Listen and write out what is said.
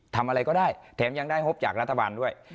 ทำอะไรก็ได้แถมยังได้งบจากรัฐบาลด้วย